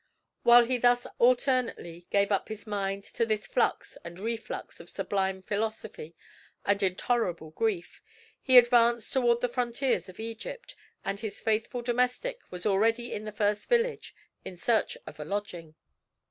While he thus alternately gave up his mind to this flux and reflux of sublime philosophy and intolerable grief, he advanced toward the frontiers of Egypt; and his faithful domestic was already in the first village, in search of a lodging.